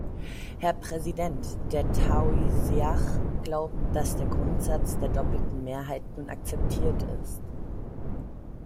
Herr Präsident, der Taoiseach glaubt, dass der Grundsatz der doppelten Mehrheit nun akzeptiert ist.